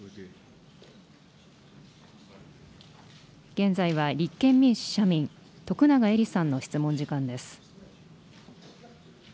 現在は立憲民主・社民、徳永エリさんの質問時間です。